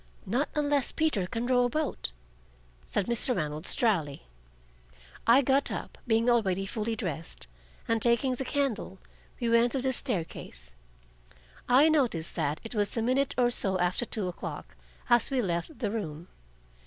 "Not unless Peter can row a boat," said Mr. Reynolds dryly. I got up, being already fully dressed, and taking the candle, we went to the staircase. I noticed that it was a minute or so after two o'clock as we left the room.